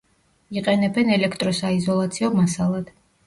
იყენებენ ელექტროსაიზოლაციო მასალად.